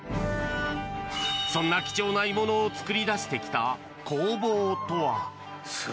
そんな貴重な鋳物を作り出してきた工房とは？